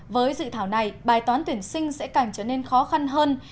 với dự thảo này bài toán tuyển sinh sẽ càng trở nên khó khăn hơn